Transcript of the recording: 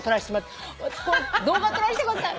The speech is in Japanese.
動画撮らしてください。